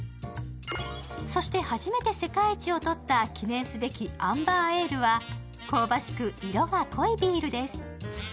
そして、初めて世界一をとった記念すべきアンバーエールは、香ばしく色が濃いビールです。